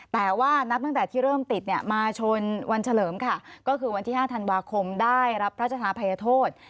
แต่ว่านับตั้งแต่ที่เริ่มติดเนี่ยมาชนวันเฉลิมค่ะก็คือวันที่๕ธันวาคมได้รับพระชธาภัยโทษ